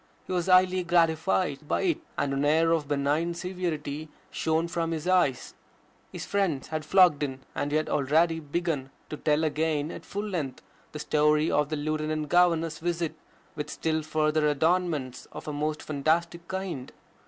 He was highly gratified by it, and an air of benign severity shone from his eyes. His friends had flocked in, and he had already begun to tell again at full length the story of the Lieutenant Governor's visit with still further adornments of a most fantastic kind.